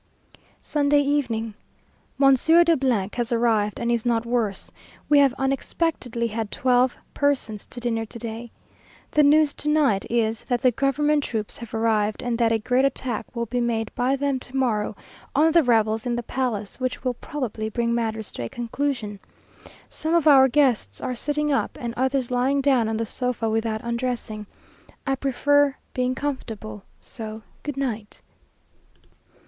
Sunday Evening. Monsieur de has arrived, and is not worse. We have unexpectedly had twelve persons to dinner to day. The news to night is, that the government troops have arrived, and that a great attack will be made by them to morrow on the rebels in the palace, which will probably bring matters to a conclusion. Some of our guests are sitting up, and others lying down on the sofa without undressing. I prefer being comfortable, so goodnight.